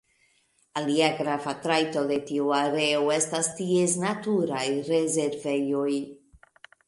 Alia grava trajto de tiu areo estas ties naturaj rezervejoj.